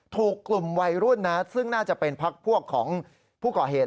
ถูกกลุ่มวัยรุ่นนะซึ่งน่าจะเป็นพักพวกของผู้ก่อเหตุ